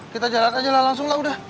kita jalan aja lah langsung lah udah